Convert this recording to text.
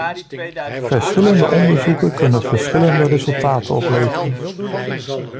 Verschillende onderzoeken kunnen verschillende resultaten opleveren.